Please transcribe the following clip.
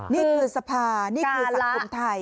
นี่คือสภานี่คือสังคมไทย